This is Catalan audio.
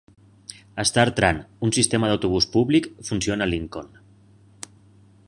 StarTran, un sistema d'autobús públic, funciona a Lincoln.